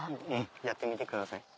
やってみてください。